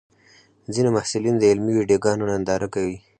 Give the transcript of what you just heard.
ځینې محصلین د علمي ویډیوګانو ننداره کوي.